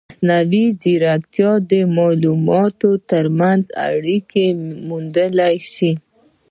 مصنوعي ځیرکتیا د معلوماتو ترمنځ اړیکې موندلی شي.